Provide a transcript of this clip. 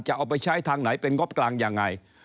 เอาไปใช้ทางไหนเป็นงบกลางยังไง